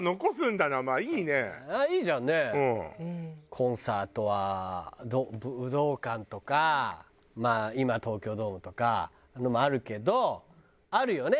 コンサートは武道館とかまあ今東京ドームとかあるけどあるよね